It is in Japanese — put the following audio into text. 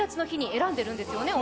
選んでいるんですよね。